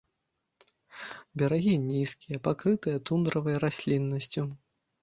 Берагі нізкія, пакрытыя тундравай расліннасцю.